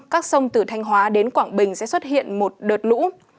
các sông từ thanh hóa đến quảng bình sẽ xuất hiện một đợt lũ